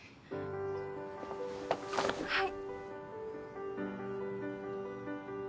はい。